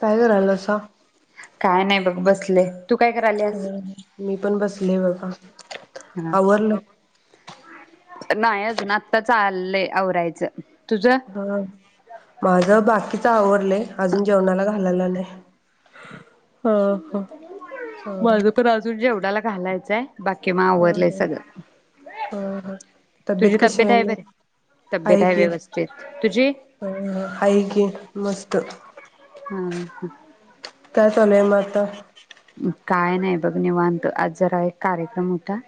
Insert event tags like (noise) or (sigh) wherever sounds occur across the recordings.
काय करायालासा काय नाही बघ बसले तू काय करायलीस ह मी पण बस नाही बाबा ह नाही अजून आता लई आवरायचं तुझं हा माझ बाकीच आवरलंय अजून जेवणाला घालायालागलोय हा हा हा माझ पण अजून जेवनाला घालायचंय बाकी म हा आवरलंय हा सगळ हा हा तब्येत कशी आहे आणि आहे की व्यवस्थित तुझी ह ह आहे की मस्त हम्म ह काय चालूय मग आता? काय नाही बघ निवाांत, आज जरा एक कार्यक्रम होता.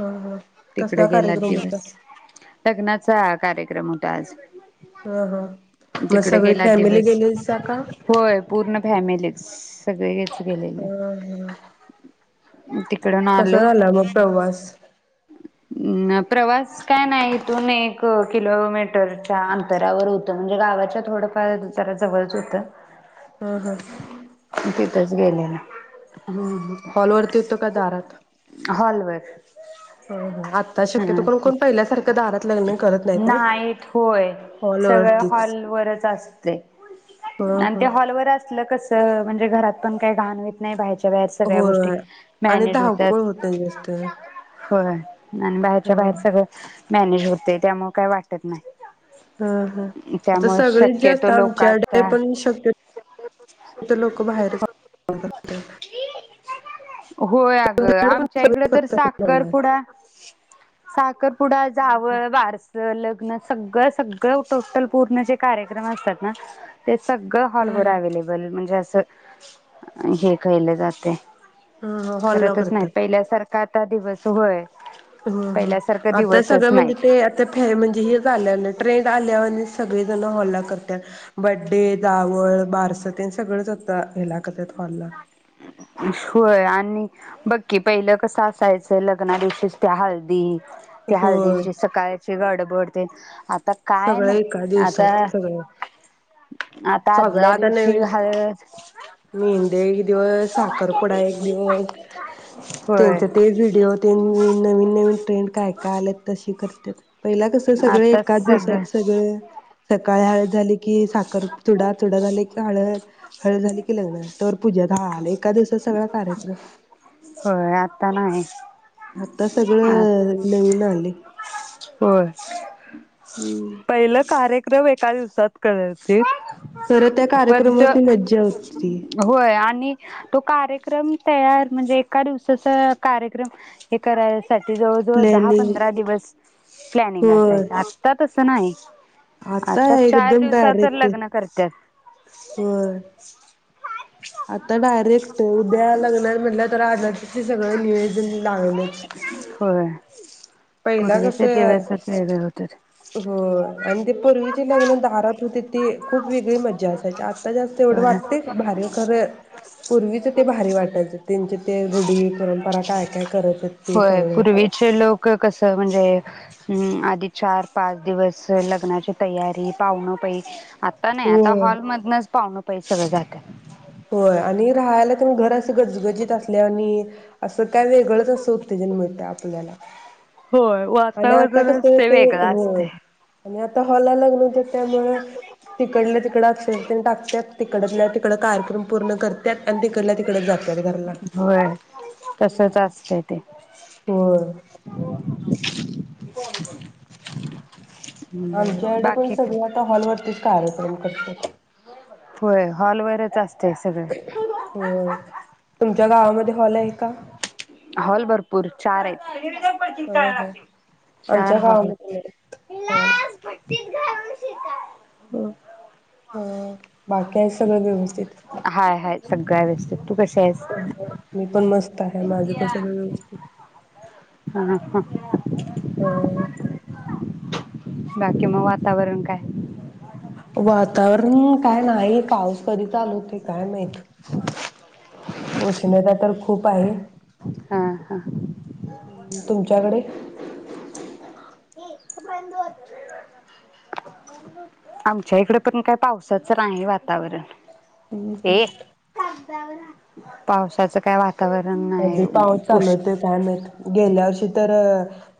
हा हा तिकडे कसला कार्यक्रम होता? चा कार्यक्रम होता आज हा हा मग तिकडे सगळी, गेला फॅमिली गेलेला सा का? फॅमिली सगळे हम् हम् तिकडून कस आलो झालं मग प्रवास? प्रवास काय नाही इथून एक किलोमीटरच्या अंतरावर होतं, म्हणजे गावाच्या थोडंफार जरा जवळच होतं. हम ह तिथंच गेलेलं हम् हॉलवररती, होतं का दारात? हॉलवर ह ह हा आत्ता शक्यतो करून, कोण पहिल्यासारखं दारात लग्न करत नाही नाहीत होय सगळ हॉलवरतीच हॉलवरच असतय ह आणि ह ते हॉलवर असल कस म्हणजे घरात पण काय घाण होईत नाय बाहेर सगळ्या गोष्टी होय आणि मॅनेज होतात धावपळ होतेय जास्त होय आणि ह बाहेरच्या बाहेर सगळं मॅनेज होतय त्यामुळ काय वाटत नाय. हा हा आता सगळे जास्त शक्यतो लोक आमच्या (unintelligible) कडे आता पण शक्य (unintelligible) लोक बाहेर होय अगं आमच्या इकडं तर साखरपुडा साखरपुडा (unintelligible) जावळ, बारस लग्न सगळ सगळ टोटलं पूर्ण जे कार्यक्रम असतात ना ते सगळं ह हॉलवर अव्हेलेबल म्हणजे असं अ हे खयल जातय ह हॉलला करतच नाहीत पहिल्यासार का आता दिवस होय. होय होय पहिल्यासारखं आता दिवसच सगळं म्हणजे नाहीत ते आता फे म्हणजे हे झाल्याल ट्रेन ते आल्यावर सगळे जण हॉलला कर बडे, जावळ, बारस, तेन सगळंच आता हेला करतात हॉलला होय आणि बघ की पहिलं कसं असायचं लग्नादिवशीच त्या हळदी त्या होय हळदींची सकाळची गडबड तेन आता काय सगळं एका नाय आता दिवसात सगळं आता आदल्या दिवशी हळद मेंहदी एक दिवस साखरपुडा एक दिवस होय त्यांचे ते व्हिडिओ तेन नवीन नवीन ट्रेंड काय काय आलत तशी करत्यात पहिला कस सगळं आताच एकाच सगळं दिवसात सगळ सकाळी हळद झाली की साखर चुडा चुडा झाला की हळद हळद झाली तर झाल एका दिवसात सगळा कार्यक्रम आता अ सगळं नवीन आले होय पहिल कार्यक्रम एक का दिवसात करते. खरं त्या कार्यक्रमात ती मज्जा होती. होय आणि तो कार्यक्रम तयार म्हणजे एका दिवसाचा कार्यक्रम हे कराय साठी जवळ जवळ दहा प्लॅनिंग पंधरा दिवस प्लॅनी‌ग असायच आता तस च नाही. आता आताय चार एकदम दिवसात तर डायरेक्ट लग्न करतात होय. आता डायरेक्ट उद्या लग्नात म्हटलं तर आज सगळं नियोजन लागलंच. होय पहिला कस पूर्वीचे आहे दिवसच वेगळे होते हो आणि ते पूर्वीचे लग्न दारात होते ती खूप वेगळी मजा असायची आता जास्त एवढं होय वाटते. भारी खरं, पूर्वीचं ते भारी वाटायचं त्यांचे.. ते रुढी-परंपरा काय काय करत आहेत ते होय काही पूर्वीचे लोक कसं म्हणजे हं आधी चार-पाच दिवस लग्नाची तयारी पाहुणं पै आता नाही, आता होय हॉलमधूनच पाहुणं. पैशाला झाकण. होय आणि रहायला पण घर. गजबजीत असल्यावानी असं काय वेगळंच असे उत्तेजन मिळतंय आपल्याला. होय, आणि आता वातावरणच कसं ते वेगळं होय असतेय. आणि आता हॉला लग्न त्यामुळे तिकडल्या तिकडं अक्षद टाकत्यात तिकडल्या तिकड गायब. पूर्ण करत्यात अन तिकडल्या तिकडच जात्यात घरल्या ह (inaudible) होय. आमच्या बर एड पण बाकी काय? सगळं आता हॉल वरतीच. कार्यक्रम करत्यात. होय, हॉल वगैरेच असतं. हो. तुमच्या गावामध्ये हॉल आहे का? हॉल भरपूर चार आहेत, हा चार आमच्या हॉल आहेत. गावामध्ये नाहीत हॉल. हं. हं, बाकी आणि सगळं व्यवस्थित? काय व्यस्त मी पण मस्त आहे. माझं पण सगळं ह व्यवस्थित. ह ह (inaudible) हं. बाकी मग वातावरण काय? वातावरण काय नाही. पाऊस कधी चालू? काय माहीत? उष्णता तर खूप आहे, हा हा तुमच्याकडे? आमच्या इकडे पण काही पावसाचं नाही वातावरण. हं हं पावसाच काय वाट अधदी पाऊस चालवते कायमेत गेल्या वर्षी तर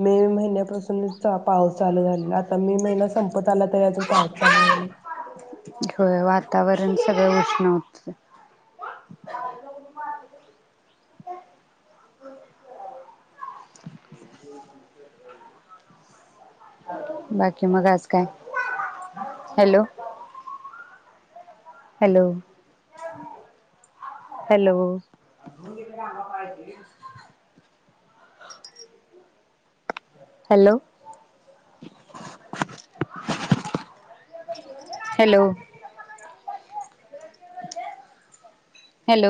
मे महिन्यापासूनच पाऊस चालू झालेला आता मे महिना संप तला तर अजून पाहत चालू होय वातावरण सगळं उष्ण होत बाकी मग आज काय hello hello hello hello hello म्ह